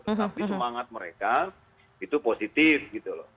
tetapi semangat mereka itu positif gitu loh